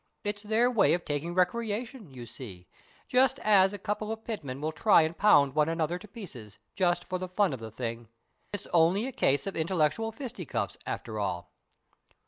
It's their way of taking recreation, you see, just as a couple of pitmen will try and pound one another to pieces, just for the fun of the thing. It's only a case of intellectual fisticuffs, after all."